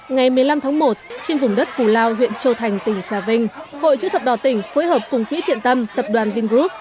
ngày một mươi năm tháng một trên vùng đất củ lao huyện châu thành tỉnh trà vinh hội chữ thập đỏ tỉnh phối hợp cùng quỹ thiện tâm tập đoàn vingroup